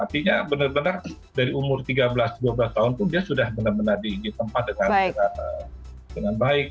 artinya benar benar dari umur tiga belas dua belas tahun pun dia sudah benar benar ditempat dengan baik